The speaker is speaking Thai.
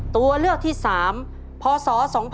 ตัวเลือกที่๓พศ๒๕๖